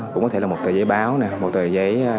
cũng có thể là một tờ giấy báo một tờ giấy